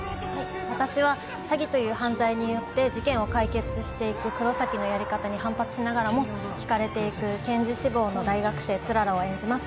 私は詐欺という犯罪によって事件を解決していく黒崎のやり方に反発しながらもひかれていく検事志望の大学生、氷柱を演じます。